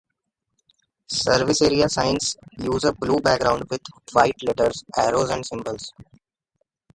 Service area signs use a blue background with white letters, arrows, and symbols.